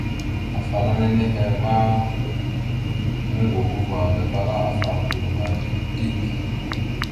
Afalaŋa nehe ma moŋgov ava gatala afarəkal ava dik dik.